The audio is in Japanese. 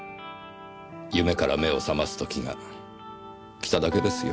夢から目を覚ます時が来ただけですよ。